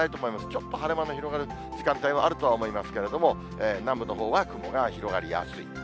ちょっと晴れ間の広がる時間帯はあるとは思いますけれども、南部のほうは雲が広がりやすい。